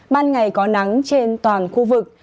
ban ngày có nắng trên toàn khu vực